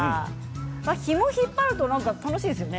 ひもを引っ張ると楽しいですよね。